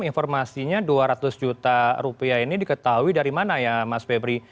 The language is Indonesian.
informasinya dua ratus juta rupiah ini diketahui dari mana ya mas febri